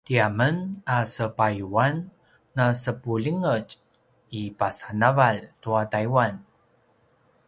tiamen a sepayuan na sepulingetj i pasa navalj tua taiwan